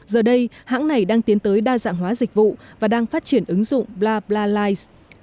giờ đây hãng này đang tiến tới đa dạng hóa dịch vụ và đang phát triển ứng dụng blablalights